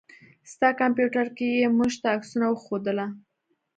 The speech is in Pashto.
ستا کمپيوټر کې يې موږ ته عکسونه وښودله.